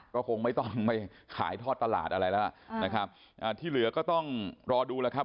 ก็คงไม่ต้องไปขายทอดตลาดอะไรแล้วนะครับอ่าที่เหลือก็ต้องรอดูแล้วครับ